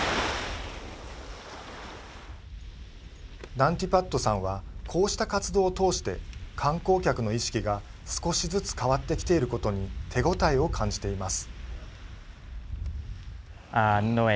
ナンティパットさんはこうした活動を通して観光客の意識が少しずつ変わってきていることに手応えを感じています。